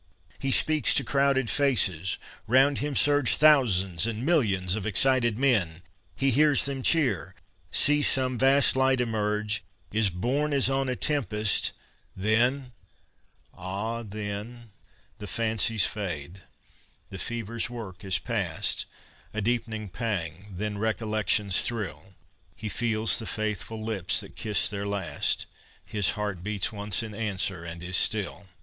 He speaks to crowded faces round him surge Thousands and millions of excited men; He hears them cheer sees some vast light emerge Is borne as on a tempest then ah, then, The fancies fade, the fever's work is past; A deepened pang, then recollection's thrill; He feels the faithful lips that kiss their last, His heart beats once in answer, and is still!